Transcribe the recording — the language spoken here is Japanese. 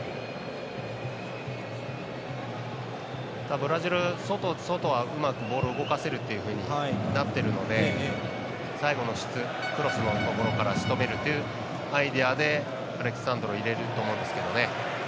ブラジル、外、外うまくボールを動かせるということになっているので最後の質、クロスのところからしとめるというアイデアでアレックス・サンドロを入れると思うんですけどね。